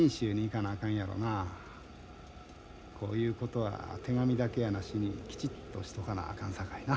こういうことは手紙だけやなしにきちっとしとかなあかんさかいな。